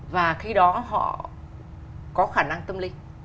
và khi đó họ có khả năng tâm linh